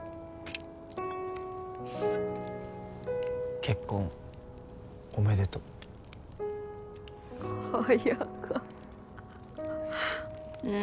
結婚おめでとう早かうん